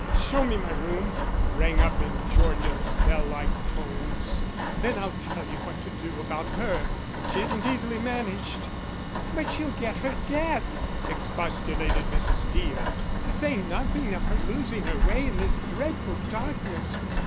"Show me my room," rang up in Georgian's bell like tones; "then I'll tell you what to do about her. She isn't easily managed." "But she'll get her death!" expostulated Mrs. Deo; "to say nothing of her losing her way in this dreadful darkness.